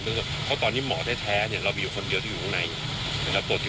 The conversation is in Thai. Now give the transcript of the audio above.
เพราะตอนนี้หมอแท้เรามีอยู่คนเดียวที่อยู่ข้างในนะครับ